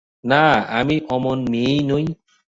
না, আমি অমন মেয়ে নই।